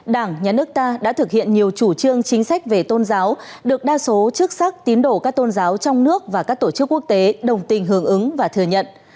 đảng nhà nước ta đã thực hiện nhiều chủ trương chính sách về tôn giáo được đa số chức sắc tín đổ các tôn giáo trong nước và các tổ chức quốc tế đồng tình hưởng ứng và thừa nhận